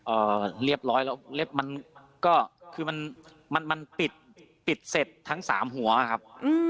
เอ่อเรียบร้อยแล้วมันก็คือมันปิดเสร็จทั้งสามหัวครับ